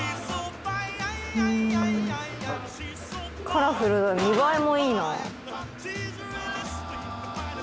カラフル見栄えもいいな。